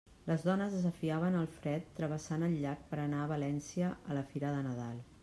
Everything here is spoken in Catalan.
Les dones desafiaven el fred travessant el llac per a anar a València a la fira de Nadal.